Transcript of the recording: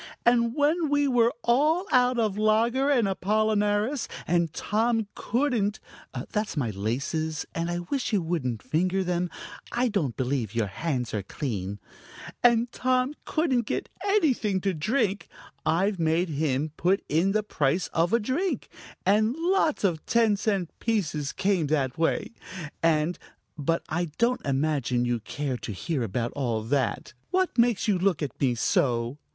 "And when we were all out of lager and apollinaris, and Tom couldn't that's my laces, and I wish you wouldn't finger them; I don't believe your hands are clean and Tom couldn't get anything to drink, I've made him put in the price of a drink, and lots of ten cent pieces came that way, and But I don't imagine you care to hear about all that. What makes you look at me so?"